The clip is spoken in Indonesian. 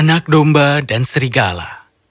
anak domba dan serigala